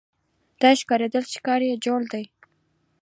داسې ښکارېدله چې کار یې جوړ دی.